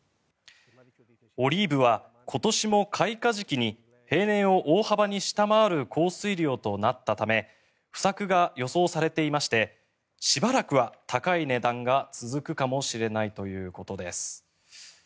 オリーブは今年も開花時期に平年を大幅に下回る降水量となったため不作が予想されていましてしばらくは高い値段が続くかもしれないということです。